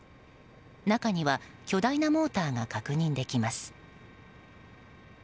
中には巨大なモーターが確認できます。